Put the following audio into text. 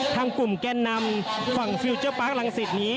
ทางกลุ่มแกนนำฝั่งฟิลเจอร์ปาร์คลังศิษย์นี้